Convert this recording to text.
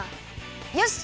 よし！